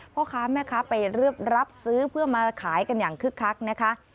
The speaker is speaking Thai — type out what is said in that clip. พ่อค้าแม่ค้าไปรับซื้อเพื่อมาขายกันอย่างคึกคักนะคะ